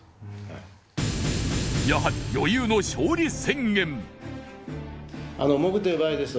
やはり余裕の勝利宣言